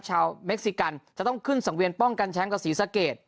เม็กซิกันจะต้องขึ้นสังเวียนป้องกันแชมป์กับศรีสะเกด